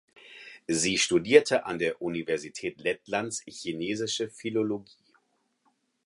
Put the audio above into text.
Sie studierte an der Universität Lettlands chinesische Philologie.